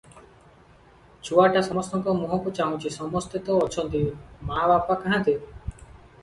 ଛୁଆଟା ସମସ୍ତଙ୍କ ମୁହଁକୁ ଚାହୁଁଛି--ସମସ୍ତେ ତ ଅଛନ୍ତି, ମା ବାପା କାହାନ୍ତି?